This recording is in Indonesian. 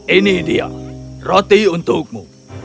ini dia roti untukmu